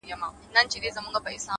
ژوند در ډالۍ دى تاته ـ